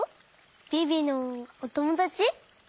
ビビのおともだち？